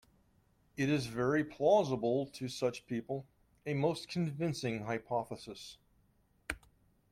It is very plausible to such people, a most convincing hypothesis.